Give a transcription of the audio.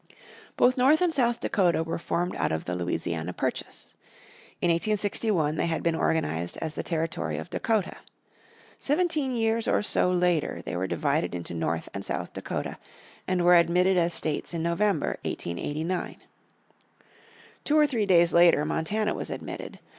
Both North and South Dakota were formed out of the Louisiana Purchase. In 1861 they had been organised as the territory of Dakota. Seventeen years or so later they were divided into North and South Dakota and were admitted as states in November, 1889. Two or three days later Montana was admitted.